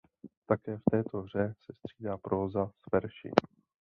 Také v této hře se střídá próza s verši.